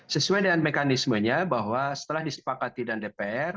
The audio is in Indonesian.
sesuai dengan mekanismenya bahwa setelah disepakati dan dpr